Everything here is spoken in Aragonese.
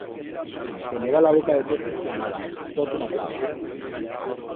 Teneba la boca de tot inflamada, tot una plaga.